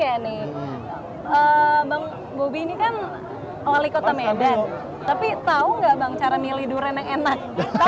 bang bobi ini kan wali kota medan tapi tau gak cara milih durian yang enak